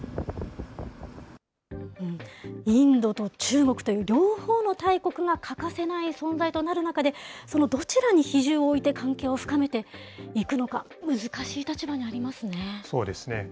インドと中国という両方の大国が欠かせない存在となる中で、そのどちらに比重を置いて関係を深めていくのか、そうですね。